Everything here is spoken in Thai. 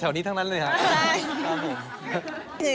เฉยทั้งนั้นเลยหน่อยค่ะ